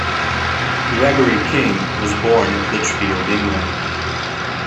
Gregory King was born at Lichfield, England.